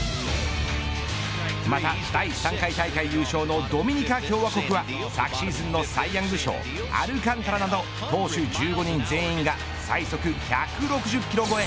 また第３回大会優勝のドミニカ共和国は昨シーズンのサイヤング賞アルカンタラなど投手１５人全員が最速１６０キロ超え。